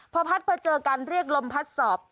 พอพัดมาเจอกันเรียกลมพัดสอบ